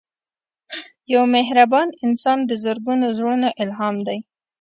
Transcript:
یو مهربان انسان د زرګونو زړونو الهام دی